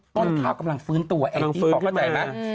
ต้นข้าวกำลังฟื้นตัวแองจี้พอเข้าใจไหม